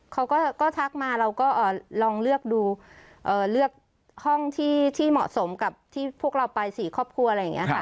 เขาก็ทักมาเราก็ลองเลือกดูเลือกห้องที่เหมาะสมกับที่พวกเราไป๔ครอบครัวอะไรอย่างนี้ค่ะ